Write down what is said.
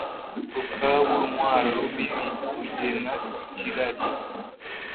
Rukabu ntwara Rubibi rugerna ikirari